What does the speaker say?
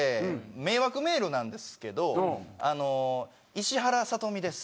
迷惑メールなんですけど「石原さとみです。